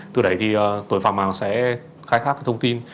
từ đấy thì tội phạm mạng sẽ khai thác thông tin